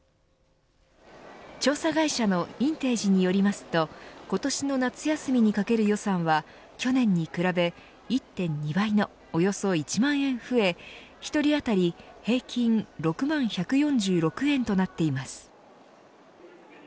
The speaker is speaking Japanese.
調査会社のインテージによりますと今年の夏休みにかける予算は去年に比べ１．２倍の、およそ１万円増え１人当たり平均６万１４６円となっています。